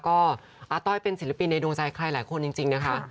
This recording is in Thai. ก็อาต้อยเป็นศิลปินในดวงใจใครหลายคนจริงนะคะ